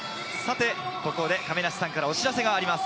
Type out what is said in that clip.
ここで亀梨さんからお知らせです。